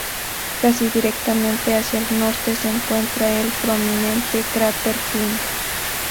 Casi directamente hacia el norte se encuentra el prominente cráter King.